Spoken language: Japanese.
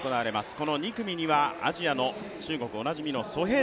この第２組にはアジアの中国おなじみの選手。